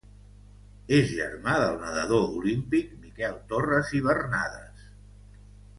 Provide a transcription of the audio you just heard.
És germà del nadador olímpic Miquel Torres i Bernades.